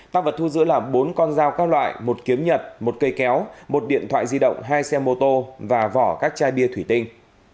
tăng vật thu giữ là bốn con dao các loại một kiếm nhật một cây kéo một điện thoại di động hai xe mô tô và vỏ các chai bia thủy tinh